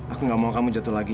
aku gak mau kamu jatuh lagi